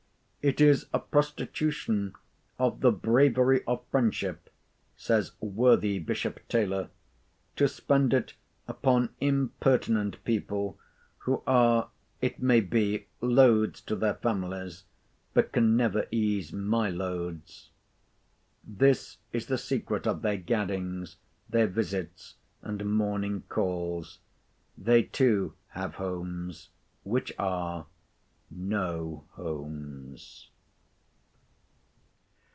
"It is a prostitution of the bravery of friendship," says worthy Bishop Taylor, "to spend it upon impertinent people, who are, it may be, loads to their families, but can never ease my loads." This is the secret of their gaddings, their visits, and morning calls. They too have homes, which are—no homes.